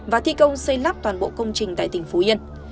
và thi công xây lắp toàn bộ công trình tại tỉnh phú yên